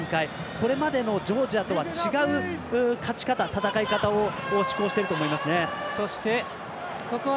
これまでのジョージアとは違う勝ち方、戦い方を試行していると思いますね。